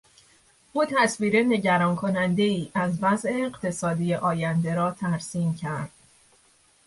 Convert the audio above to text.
او تصویر نگران کنندهای از وضع اقتصادی آینده را ترسیم کرد.